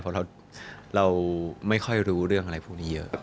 เพราะเราไม่ค่อยรู้เรื่องอะไรพวกนี้เยอะ